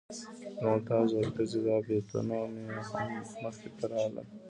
د ممتاز اورکزي دا بیتونه مې هم مخې ته راغلل.